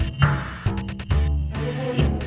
saya akan cerita soal ini